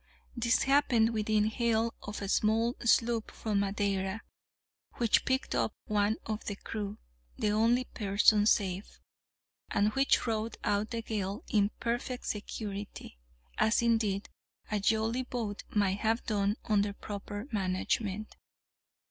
This happened within hail of a small sloop from Madeira, which picked up one of the crew (the only person saved), and which rode out the gale in perfect security, as indeed a jolly boat might have done under proper management.